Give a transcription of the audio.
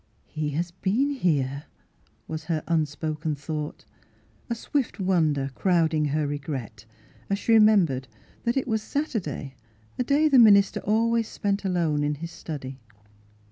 " He has been here," was her unspoken thought, a swift wonder crowding her re gret, as she remembered that it was Satur day, a day the minister always spent alone in his study.